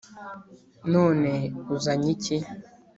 none uzanye iki?”